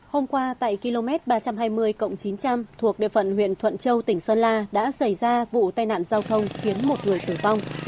hôm qua tại km ba trăm hai mươi chín trăm linh thuộc địa phận huyện thuận châu tỉnh sơn la đã xảy ra vụ tai nạn giao thông khiến một người tử vong